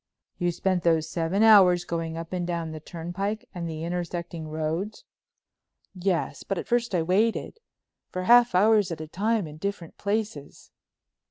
"You spent those seven hours going up and down the turnpike and the intersecting roads?" "Yes, but at first I waited—for half hours at a time in different places."